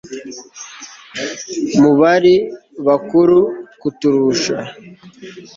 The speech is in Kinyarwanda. Mu bari bakuru kuturusha